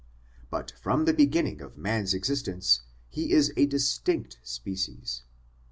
But from the beginning of man's existence he is a distinct species.